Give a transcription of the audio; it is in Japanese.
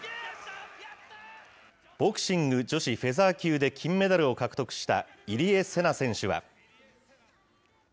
ボクシング女子フェザー級で金メダルを獲得した入江聖奈選手は。